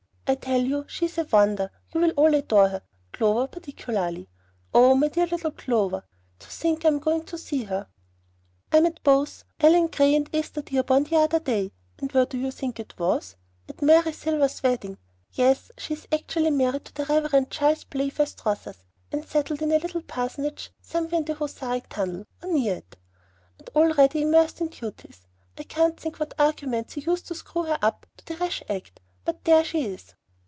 I tell you she is a wonder. You will all adore her, Clover particularly. Oh, my dear little C.! To think I am going to see her! I met both Ellen Gray and Esther Dearborn the other day, and where do you think it was? At Mary Silver's wedding! Yes, she is actually married to the Rev. Charles Playfair Strothers, and settled in a little parsonage somewhere in the Hoosac Tunnel, or near it, and already immersed in "duties." I can't think what arguments he used to screw her up to the rash act; but there she is.